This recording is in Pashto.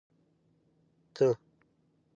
ته